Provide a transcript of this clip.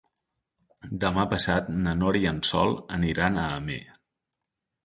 Demà passat na Nora i en Sol aniran a Amer.